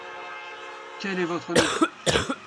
Quel est votre nom.